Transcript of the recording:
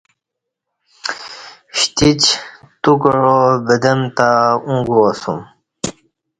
شتیچ تو کعا بدم تہ او گوا سوم